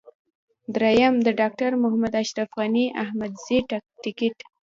درېم: د ډاکټر محمد اشرف غني احمدزي ټکټ.